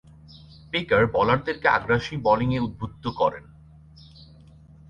Packer বোলারদেরকে আগ্রাসী বোলিংয়ে উদ্বুদ্ধ করেন।